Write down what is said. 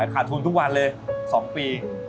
ขาดทุนทุกวันเลย๒ปี